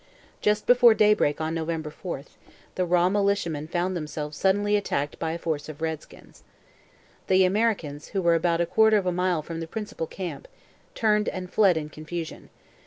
Just before daybreak on November 4, the raw militiamen found themselves suddenly attacked by a force of redskins. The Americans, who were about a quarter of a mile from the principal camp, turned and fled in confusion.